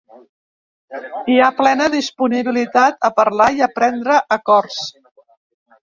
Hi ha plena disponibilitat a parlar i a prendre acords.